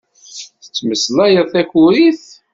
Tettmeslayeḍ takurit?